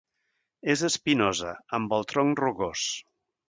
És espinosa, amb el tronc rugós.